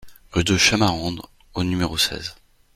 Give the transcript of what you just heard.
Rue de Chamarandes au numéro seize